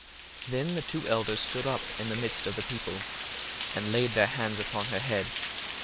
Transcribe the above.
1:34 Then the two elders stood up in the midst of the people, and laid their hands upon her head.